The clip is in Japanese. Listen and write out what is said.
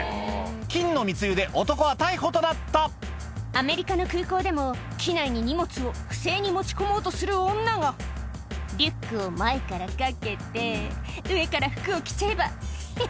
金の密輸で男は逮捕となったアメリカの空港でも機内に荷物を不正に持ち込もうとする女が「リュックを前から掛けて上から服を着ちゃえばヘヘっ